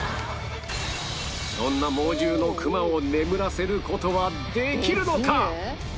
そんな猛獣のクマを眠らせる事はできるのか？